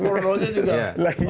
ya pornonya juga